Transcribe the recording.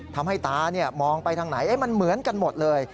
ตามองไปทางไหนมันเหมือนกันหมดเลย